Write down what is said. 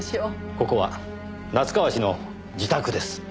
ここは夏河氏の自宅です。